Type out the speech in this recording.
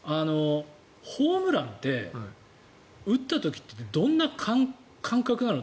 ホームランって打った時ってどんな感覚なの？